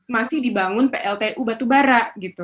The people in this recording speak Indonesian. masih dibangun pltu batu bara